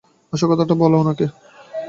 আসল কথাটা বল উনাকে!